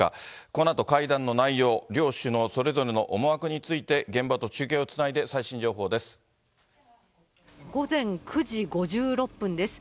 このあと会談の内容、両首脳それぞれの思惑について、現場と中継をつないで最新の情報です。